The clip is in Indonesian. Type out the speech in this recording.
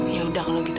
yaudah kalo gitu